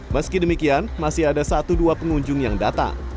meski demikian masih ada satu dua pengunjung yang datang